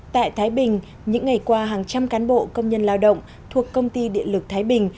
tại thái bình những ngày qua hàng trăm cán bộ công nhân lao động thuộc công ty điện lực thái bình